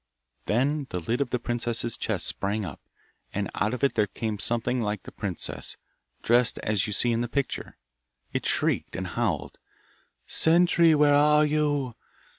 Then the lid of the princess's chest sprang up, and out of it there came something like the princess, dressed as you see in the picture. It shrieked and howled, 'Sentry, where are you?